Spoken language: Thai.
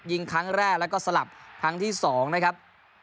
ยิงครั้งแรกแล้วก็สลับครั้งที่๒นะครับ